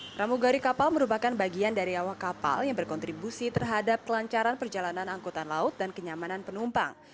pramugari kapal merupakan bagian dari awak kapal yang berkontribusi terhadap kelancaran perjalanan angkutan laut dan kenyamanan penumpang